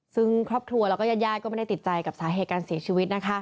ซึ่งครอบครัวแล้วก็ญาติก็ไม่ได้ติดใจกับสาเหตุการเสียชีวิต